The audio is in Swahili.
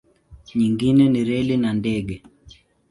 Nyingine ni reli na ndege.